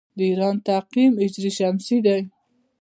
د ایران تقویم هجري شمسي دی.